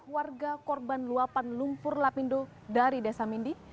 dua ratus lima puluh warga korban luapan lumpur lapindo dari desa mindy